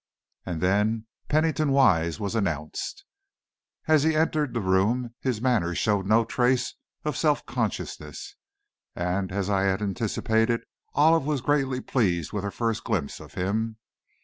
And then Pennington Wise was announced. As he entered the room his manner showed no trace of self consciousness, and as I had anticipated, Olive was greatly pleased with her first glimpse of him.